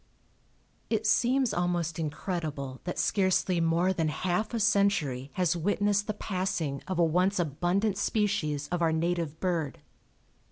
It seems almost incredible that scarcely more than half a century has witnessed the passing of a once abundant species of our native bird.